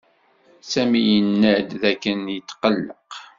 Sami yenna-d dakken yetqelleq.